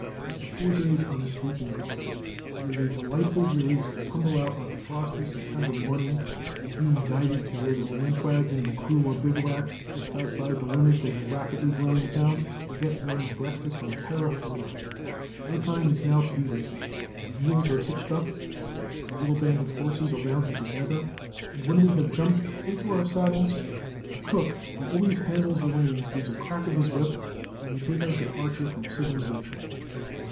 After four days on a sleeping car, it is a delightful release to tumble out on a frosty September morning, and, being guided to where the ranch wagon and crew are bivouacked just outside the limits of the rapidly growing town, to get one's breakfast on terra firma. No time is now to be wasted; the mules are hitched up; the little band of horses are rounded together, and when we have jumped into our saddles, the cook, who always handles the reins, gives a crack of his whip, and we take our departure from civilization.